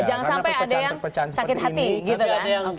jangan sampai ada yang sakit hati gitu kan